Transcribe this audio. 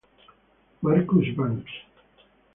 Marcus Banks